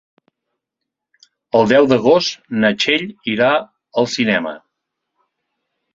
El deu d'agost na Txell irà al cinema.